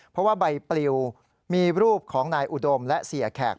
เพราะว่าใบปลิวมีรูปของนายอุดมและเสียแขก